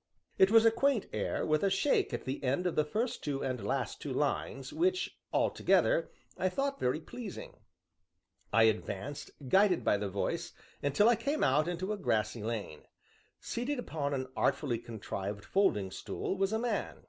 '" It was a quaint air, with a shake at the end of the first two and last two lines, which, altogether, I thought very pleasing. I advanced, guided by the voice, until I came out into a grassy lane. Seated upon an artfully contrived folding stool, was a man.